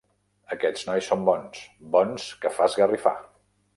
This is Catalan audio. Aquests nois són bons, bons que fa esgarrifar!